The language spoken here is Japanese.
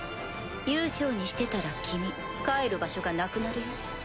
悠長にしてたら君帰る場所がなくなるよ。